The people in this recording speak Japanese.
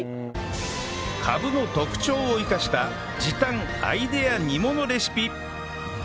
カブの特徴を生かした時短アイデア煮物レシピ